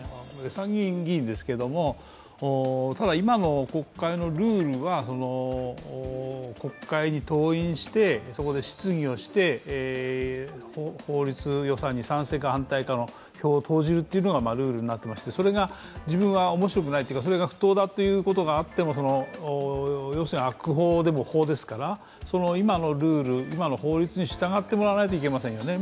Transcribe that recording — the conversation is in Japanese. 参議院議員ですけれども、ただ、今の国会のルールは国会に登院して、そこで質疑をして法律予算に、賛成か反対かの票を投じるというのがルールになっていまして、それが自分は面白くないというか、それは不当だということがあっても、悪法ですから、今のルールに従ってもらわないといけないですね。